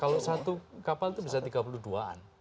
kalau satu kapal itu bisa tiga puluh dua an